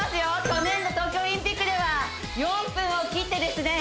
去年の東京オリンピックでは４分を切ってですね